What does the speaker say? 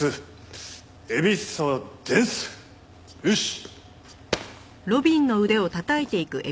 よし！